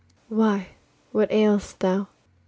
Why, what ail'st thou?